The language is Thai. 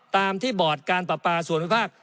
ตามที่บอดการปรับปราส่วนภาค